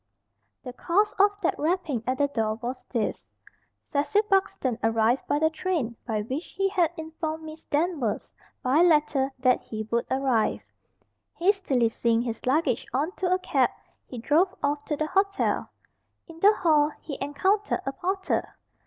The cause of that rapping at the door was this. Cecil Buxton arrived by the train by which he had informed Miss Danvers, by letter, that he would arrive. Hastily seeing his luggage on to a cab, he drove off to the hotel. In the hall he encountered a porter.